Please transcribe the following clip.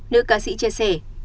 nữ ca sĩ chia sẻ